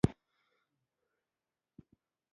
لاري د واورو له لاسه بندي وې.